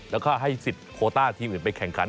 แล้วก็ให้สิทธิ์โคต้าทีมอื่นไปแข่งขัน